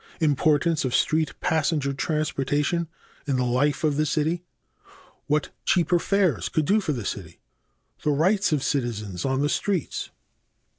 e. Importance of street passenger transportation in the life of the city. f. What cheaper fares could do for the city. 10. The rights of citizens on the streets.